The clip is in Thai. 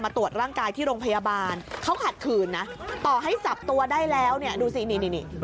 ตรวจร่างกายที่โรงพยาบาลเขาขัดขืนนะต่อให้จับตัวได้แล้วเนี่ยดูสินี่นี่